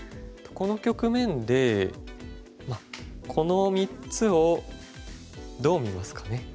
この局面でこの３つをどう見ますかね。